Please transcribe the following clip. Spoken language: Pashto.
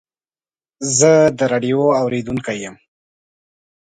زه د راډیو اورېدونکی یم.